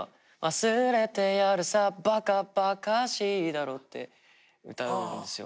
「忘れてやるさ馬鹿馬鹿しいだろ」って歌うんですよ。